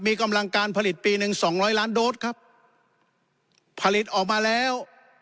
มีกำลังการผลิตปีหนึ่งสองร้อยล้านโดสครับผลิตออกมาแล้ว